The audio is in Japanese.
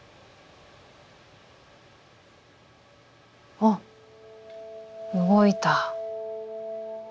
あっ動いた。